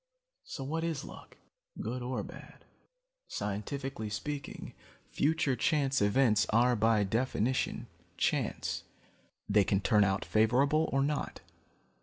"So what is luck, good or bad? Scientifically speaking, future chance events are by definition chance. They can turn out favorable or not.